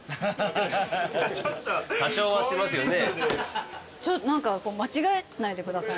多少はしますよね。